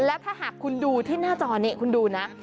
แล้วถ้าหากคุณดูที่หน้าจอนี้คุณดูนะ